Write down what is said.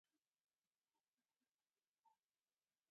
د شپې ډوډۍ باید سپکه وخوړل شي.